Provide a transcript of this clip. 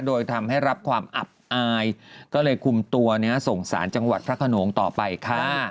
โดยทำให้รับความอับอายก็เลยคุมตัวส่งสารจังหวัดพระขนงต่อไปค่ะ